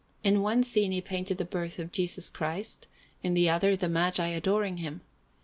In one scene he painted the Birth of Jesus Christ, and in another the Magi adoring Him.